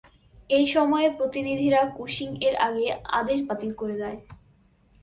এই সময়ে, প্রতিনিধিরা কুশিং এর আগের আদেশ বাতিল করে দেয়।